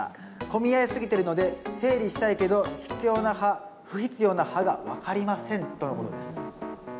混み合いすぎてるので整理したいけど必要な葉不必要な葉が分かりません」とのことです。